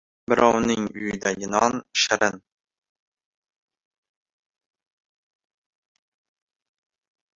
• Birovning uyidagi non shirin.